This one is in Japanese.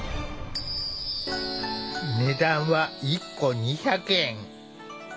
値段は１個２００円。